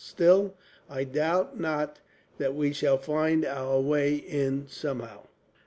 Still, I doubt not that we shall find our way in, somehow."